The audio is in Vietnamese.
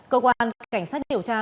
cơ quan cảnh sát điều tra